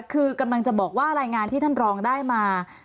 คือกำลังจะบอกว่ารายงานที่ท่านรองได้มา